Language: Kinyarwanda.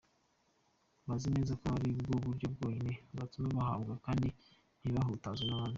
bazi neza ko aribwo buryo bwonyine bwatuma bubahwa kandi ntibahutazwe n’abandi